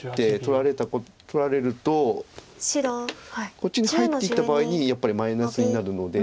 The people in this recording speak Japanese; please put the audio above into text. こっちに入っていった場合にやっぱりマイナスになるので。